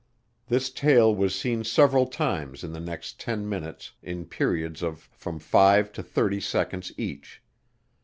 This tail was seen several times in the next 10 minutes in periods of from 5 to 30 seconds each.